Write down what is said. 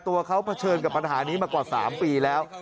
ตัวเขาเผชิญกับปัญหานี้มากว่า๓ปีแล้ว